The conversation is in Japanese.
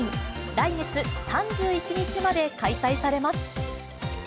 来月３１日まで開催されます。